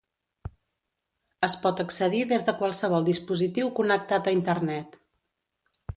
Es pot accedir des de qualsevol dispositiu connectat a Internet.